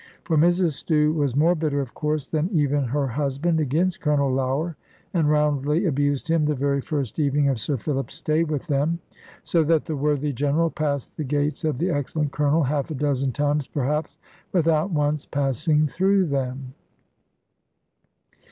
For Mrs Stew was more bitter of course than even her husband against Colonel Lougher, and roundly abused him the very first evening of Sir Philip's stay with them. So that the worthy General passed the gates of the excellent Colonel, half a dozen times perhaps, without once passing through them.